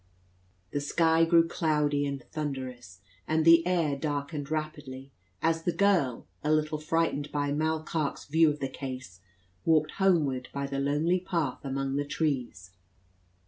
The sky grew cloudy and thunderous, and the air darkened rapidly, as the girl, a little frightened by Mall Carke's view of the case, walked homeward by the lonely path among the trees.